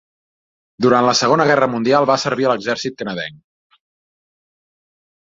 Durant la Segona Guerra Mundial va servir a l'exèrcit canadenc.